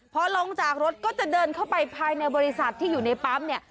พอลงจากรถก็จะเดินเข้าไปภายในบริษัทที่อยู่ในปั๊มเนี่ย